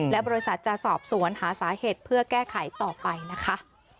และบริษัทจะสอบสวนหาสาเหตุเพื่อแก้ไขต่อไปนะคะ